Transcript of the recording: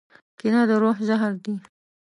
کینه د روح زهر دي.